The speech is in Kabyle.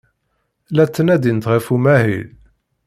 La ttnadint ɣef umahil.